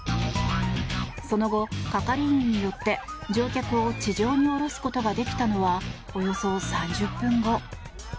その後、係員によって乗客を地上に降ろすことができたのは、およそ３０分後。